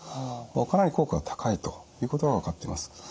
かなり効果が高いということが分かっています。